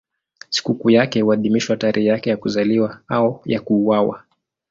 Sikukuu yake huadhimishwa tarehe yake ya kuzaliwa au ya kuuawa.